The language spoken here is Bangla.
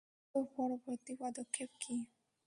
তো পরবর্তী পদক্ষেপ কি?